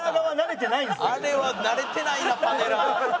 あれは慣れてないなパネラー。